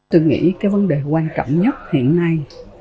tôi nghĩ cái vấn đề quan trọng nhất hiện nay